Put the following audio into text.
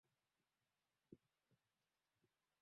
kwa hiyo wote wanaonisikiliza nchi zote zinazo nisikiliza